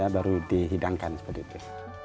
baru dihidangkan seperti itu